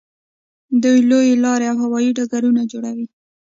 دوی لویې لارې او هوایي ډګرونه جوړوي.